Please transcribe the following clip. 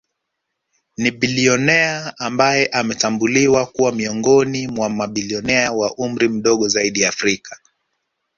Ni bilionea ambaye ametambuliwa kuwa miongoni mwa mabilionea wa umri mdogo zaidi Afrika